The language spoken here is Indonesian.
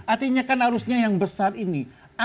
artinya kan arusnya yang besar ini